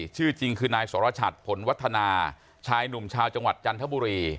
ชื่อจริงคือนายสรชัดผลวัฒนาชายหนุ่มชาวจังหวัดจันทบุรี